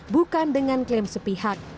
bukan dengan klaim sepihak